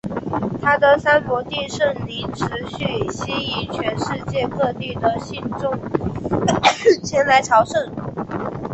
他的三摩地圣陵持续吸引全世界各地的信众前来朝圣。